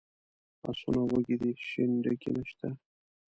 آسونه وږي دي شین ډکی نشته.